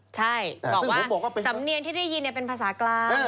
ใช่บอกว่าสำเนียงที่ได้ยินเป็นภาษากลาง